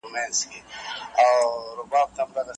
پوهنتونونه د پوهي مرکزونه دي.